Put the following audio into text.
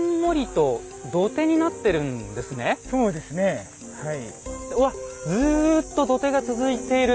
そうですねはい。